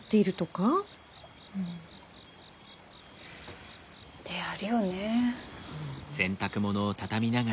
うんであるよね。